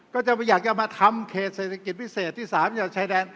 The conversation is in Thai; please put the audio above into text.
ก็จะอยากจะมาทำเขตเศรษฐกิจพิเศษที่๓จากชายแดน